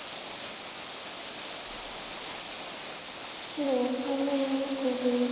白３の二コウ取り。